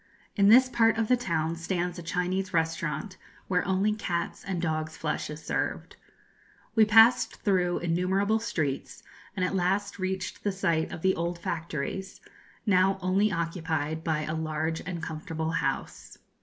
In this part of the town stands a Chinese restaurant where only cats' and dogs' flesh is served. We passed through innumerable streets, and at last reached the site of the old factories, now only occupied by a large and comfortable house.